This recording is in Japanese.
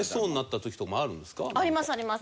ありますあります。